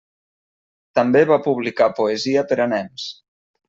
També va publicar poesia per a nens.